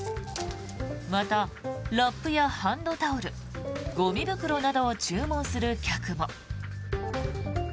また、ラップやハンドタオルゴミ袋などを注文する客も。